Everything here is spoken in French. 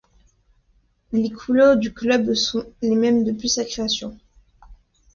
Les couleurs du club sont les mêmes depuis sa création.